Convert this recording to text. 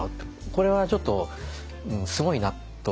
これはちょっとすごいなと。